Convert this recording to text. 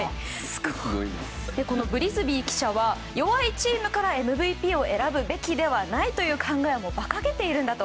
ブリスビー記者は弱いチームからＭＶＰを選ぶべきではないという考えはばかげているんだと。